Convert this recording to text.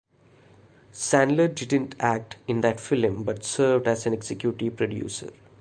Sandler didn't act in that film but served as an executive producer.